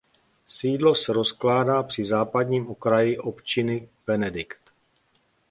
Sídlo se rozkládá při západním okraji občiny Benedikt.